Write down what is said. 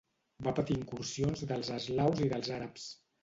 Va patir incursions dels eslaus i dels àrabs.